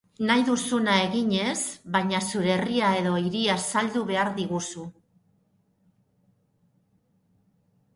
Nahi duzuna eginez, baina zure herria edo hiria saldu behar diguzu.